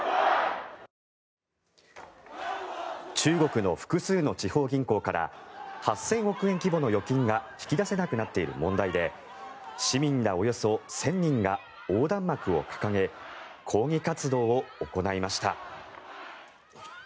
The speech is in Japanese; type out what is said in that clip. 中国の複数の地方銀行から８０００億円規模の預金が引き出せなくなっている問題で市民らおよそ１０００人が横断幕を掲げ抗議活動を行いました。